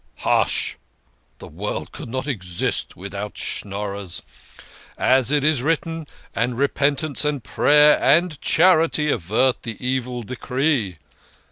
" Hush ! The world could not exist without Schnorrers. As it is written, ' And Repentance and Prayer and CHARITY avert the evil decree.'